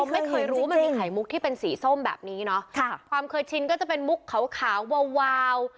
มีไขมุกที่เป็นสีส้มแบบนี้เนอะค่ะความเคยชินก็จะเป็นมุกขาวขาววาววาว